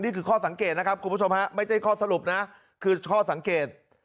ข้อสังเกตนะครับคุณผู้ชมฮะไม่ใช่ข้อสรุปนะคือข้อสังเกต